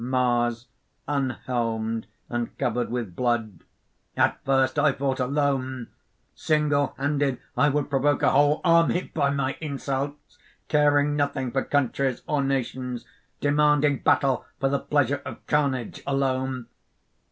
_) MARS (unhelmed and covered with blood). "At first I fought alone; singlehanded I would provoke a whole army by my insults, caring nothing for countries or nations, demanding battle for the pleasure of carnage alone.